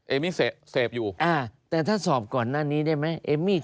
เอมมี่เสพอยู่แต่ถ้าสอบก่อนนั้นนี้ได้ไหม